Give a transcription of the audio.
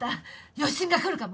余震が来るかも。